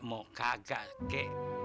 mau kagak kek